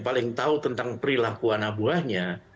paling tahu tentang perilaku anak buahnya